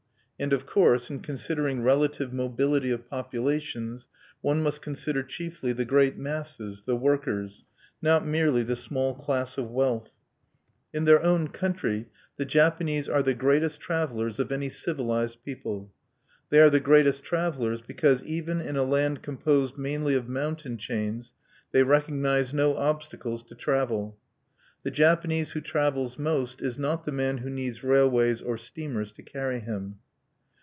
And of course, in considering relative mobility of populations, one must consider chiefly the great masses, the workers, not merely the small class of wealth. In their own country, the Japanese are the greatest travelers of any civilized people. They are the greatest travelers because, even in a land composed mainly of mountain chains, they recognize no obstacles to travel. The Japanese who travels most is not the man who needs railways or steamers to carry him.